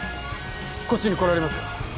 こっちに来られますか？